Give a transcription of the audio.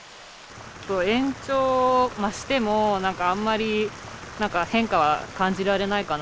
延長しても、なんかあんまり、変化は感じられないかな。